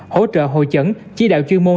hỗ trợ hội chẩn chi đạo chuyên môn